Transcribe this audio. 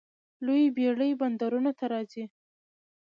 لویې بیړۍ بندرونو ته راځي.